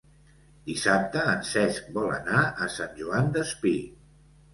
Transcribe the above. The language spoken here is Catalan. Dissabte en Cesc vol anar a Sant Joan Despí.